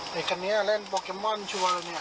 เป็นแบบโปเกมมอนชัวร์ละเนี่ย